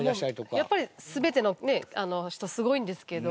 やっぱり全ての人すごいんですけど。